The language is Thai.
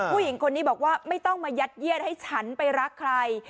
ผู้หญิงคนนี้บอกว่าไม่ต้องมายัดเยียดให้ฉันไปรักใคร